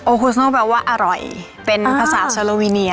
โคสโน่แปลว่าอร่อยเป็นภาษาโซโลวิเนีย